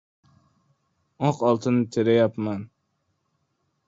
— «Oq oltin» terayapman!